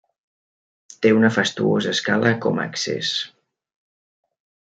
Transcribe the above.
Té una fastuosa escala com a accés.